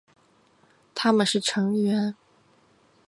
他们是成员。